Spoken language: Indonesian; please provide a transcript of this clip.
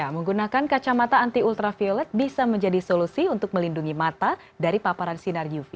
menggunakan kacamata anti ultraviolet bisa menjadi solusi untuk melindungi mata dari paparan sinar uv